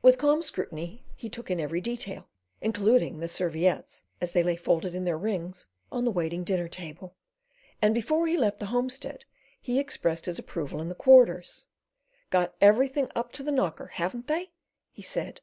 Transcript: With calm scrutiny he took in every detail, including the serviettes as they lay folded in their rings on the waiting dinner table, and before he left the homestead he expressed his approval in the Quarters: "Got everything up to the knocker, haven't they?" he said.